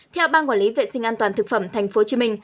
theo ban quản lý vệ sinh an toàn thực phẩm tp hcm